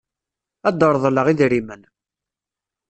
Ad d-reḍleɣ idrimen.